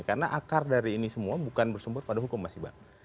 karena akar dari ini semua bukan bersumpah pada hukum mas ibar